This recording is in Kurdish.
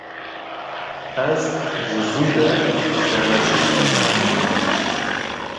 Ez ji zû de serneşûştî me.